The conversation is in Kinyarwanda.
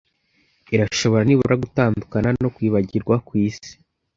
irashobora nibura gutandukana no kwibagirwa kwisi